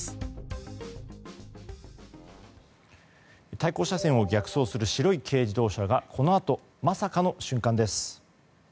対向車線を逆走する白い軽自動車がこのあと、まさかの瞬間です。